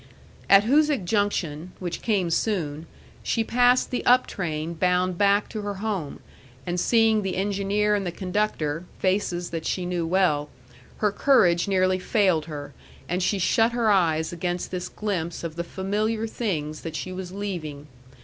At Hoosic Junction, which came soon, she passed the up train bound back to her home, and seeing the engineer and the conductor, faces that she knew well, her courage nearly failed her, and she shut her eyes against this glimpse of the familiar things that she was leaving.